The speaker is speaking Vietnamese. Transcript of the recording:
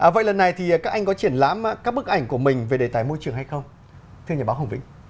vậy lần này thì các anh có triển lãm các bức ảnh của mình về đề tài môi trường hay không thưa nhà báo hồng vĩnh